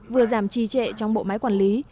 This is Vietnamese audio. vừa giảm trì trệ trong bộ máy quản lý